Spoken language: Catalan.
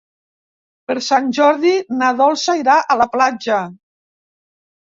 Per Sant Jordi na Dolça irà a la platja.